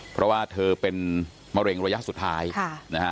เพราะว่าเธอเป็นมะเร็งระยะสุดท้ายนะฮะ